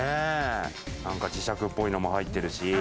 磁石っぽいのも入ってるし。